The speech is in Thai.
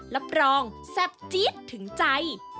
รับรองแซ่บเจี๊ยดถึงใจ